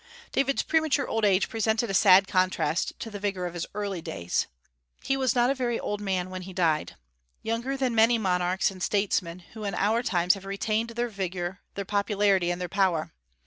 David's premature old age presented a sad contrast to the vigor of his early days. He was not a very old man when he died, younger than many monarchs and statesmen who in our times have retained their vigor, their popularity, and their power.